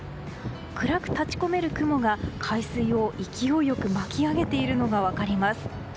暗く立ち込める雲が海水を勢いよく巻き上げているのが分かります。